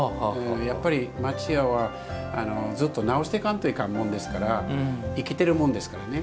やっぱり町家はずっと直してかんといかんもんですから生きているものですからね。